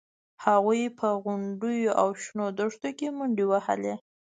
هغوی په غونډیو او شنو دښتونو کې منډې وهلې